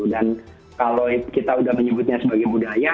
dan kalau kita sudah menyebutnya sebagai budaya